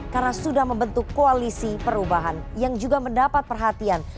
karena sudah membentuk koalisi perubahan yang juga mendapat perhatian